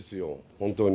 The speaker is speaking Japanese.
本当に。